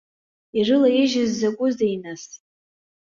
Ирылаижьыз закәызеи, нас?